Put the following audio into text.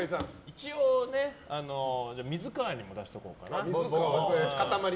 一応水川にも出しておこうかな。